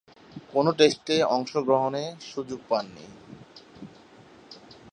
কোন টেস্টে অংশগ্রহণে সুযোগ পাননি।